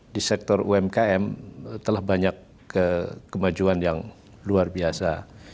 di sektor umkm telah banyak kemajuan yang luar biasa